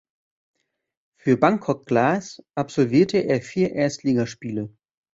Für Bangkok Glass absolvierte er vier Erstligaspiele.